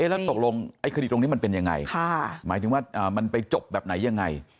แล้วตกลงไอ้คดีตรงนี้มันเป็นยังไงหมายถึงว่ามันไปจบแบบไหนยังไง